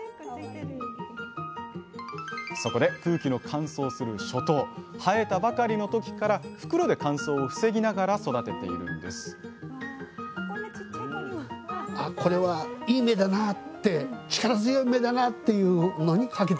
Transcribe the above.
そこで空気の乾燥する初冬生えたばかりの時から袋で乾燥を防ぎながら育てているんですこんなちっちゃい子にも。